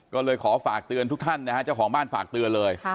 ก็เลยขอฝากเตือนทุกท่านนะฮะเจ้าของบ้านฝากเตือนเลย